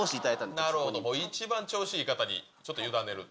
なるほど、一番調子いい方に、ちょっと委ねると。